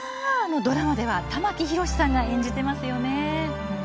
ドラマでは玉木宏さんが演じてますよね。